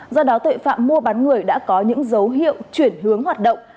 do đó tội phạm mua bán người đã có những dấu hiệu chuyển hướng hoạt động